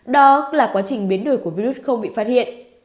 đó là quá trình biến đổi của virus không bị phát hiện